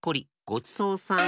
ごちそうさん。